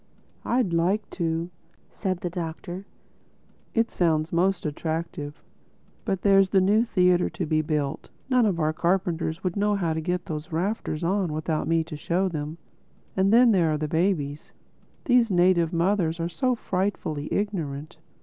"I'd like to," said the Doctor. "It sounds most attractive. But there's that new theatre to be built; none of our carpenters would know how to get those rafters on without me to show them—And then there are the babies: these native mothers are so frightfully ignorant."